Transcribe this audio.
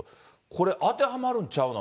これ、当てはまるんちゃうの？